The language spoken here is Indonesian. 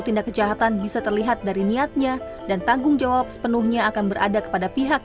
tindak kejahatan bisa terlihat dari niatnya dan tanggung jawab sepenuhnya akan berada kepada pihak